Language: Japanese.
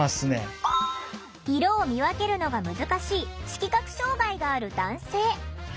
色を見分けるのが難しい色覚障害がある男性。